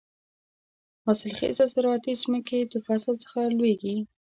حاصل خېزه زراعتي ځمکې د فصل څخه لوېږي.